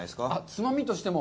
つまみとしても。